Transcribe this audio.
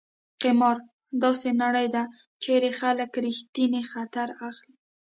قمار: داسې نړۍ ده چېرې خلک ریښتینی خطر اخلي.